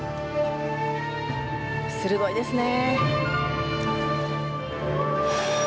鋭いですね。